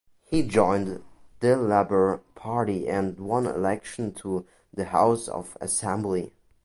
He joined the Labour Party and won election to the House of Assembly.